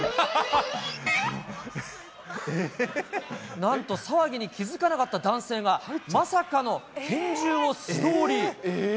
なんと騒ぎに気付かなかった男性が、まさかの拳銃を素通り。